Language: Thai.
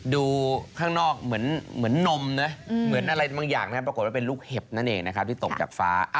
ดูข้างนอกเหมือนนมนะเหมือนอะไรบางอย่างนะครับปรากฏว่าเป็นลูกเห็บนั่นเองนะครับที่ตกจากฟ้า